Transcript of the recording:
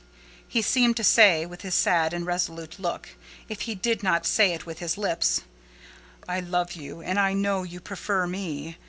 He seemed to say, with his sad and resolute look, if he did not say it with his lips, "I love you, and I know you prefer me.